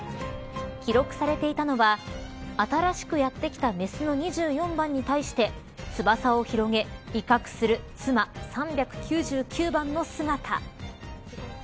記録されていたのは新しくやってきたメスの２４番に対して翼を広げ威嚇する３９９番の姿。